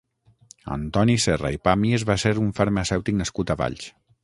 Antoni Serra i Pàmies va ser un farmacèutic nascut a Valls.